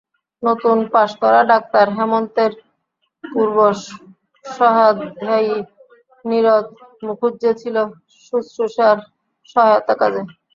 নতুন-পাস-করা doctor, হেমন্তের পূর্বসহাধ্যায়ী, নীরদ মুখুজ্জে ছিল শুশ্রূষার সহায়তা-কাজে।